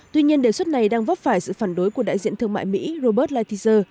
tuy nhiên đề xuất này đang vấp phải sự phản đối của đại diện thương mại mỹ robert lighthizer